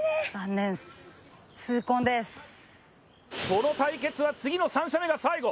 この対決は次の３射目が最後。